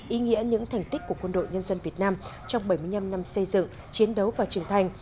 ý nghĩa những thành tích của quân đội nhân dân việt nam trong bảy mươi năm năm xây dựng chiến đấu và trưởng thành